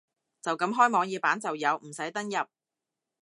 就咁開網頁版就有，唔使登入